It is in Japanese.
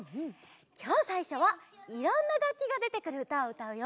きょうさいしょはいろんながっきがでてくるうたをうたうよ。